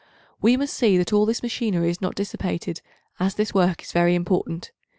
We must see that all this machinery is not dissipated, as this work is very important.